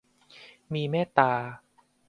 มีเมตตา